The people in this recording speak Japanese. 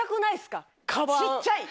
小っちゃい！